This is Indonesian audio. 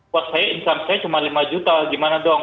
buat saya income saya cuma lima juta gimana dong